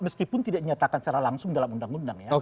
meskipun tidak dinyatakan secara langsung dalam undang undang ya